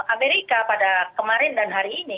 amerika pada kemarin dan hari ini